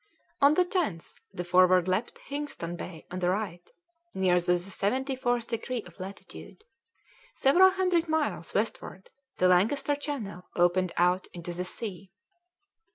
On the 10th the Forward left Hingston Bay on the right, near to the seventy fourth degree of latitude. Several hundred miles westward the Lancaster Channel opened out into the sea.